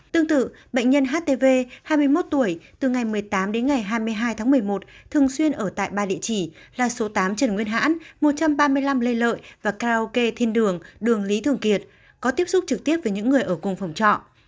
tương tự bệnh nhân htv hai mươi một tuổi từ ngày một mươi tám đến ngày hai mươi hai tháng một mươi một thường xuyên ở tại ba địa chỉ là số tám trần nguyên hãn một trăm ba mươi năm lê lợi và karaoke thiên đường đường lý thường kiệt có tiếp xúc trực tiếp với những người ở cùng phòng trọ